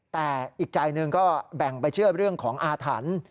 แต่อีกใจหนึ่งก็แบ่งไปเชื่อเรื่องของอาถรรพ์